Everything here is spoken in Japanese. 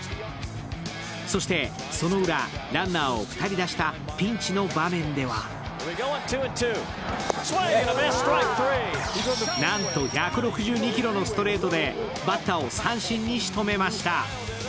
そしてそのウラ、ランナーを２人出したピンチの場面ではなんと１６２キロのストレートでバッターを三振にしとめました。